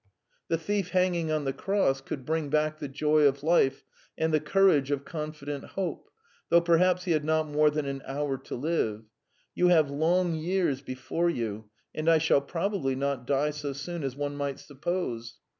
"The thief hanging on the Cross could bring back the joy of life and the courage of confident hope, though perhaps he had not more than an hour to live. You have long years before you, and I shall probably not die so soon as one might suppose.